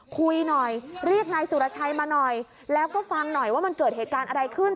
คุยหน่อยเรียกนายสุรชัยมาหน่อยแล้วก็ฟังหน่อยว่ามันเกิดเหตุการณ์อะไรขึ้น